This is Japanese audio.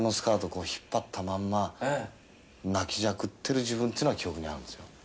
こう引っ張ったまんま泣きじゃくってる自分っていうのは記憶にあるんですよ」